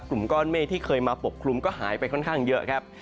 กลุ่มก้อนเมฆที่เคยมาปกคลุมก็หายไปค่อนข้างเยอะครับ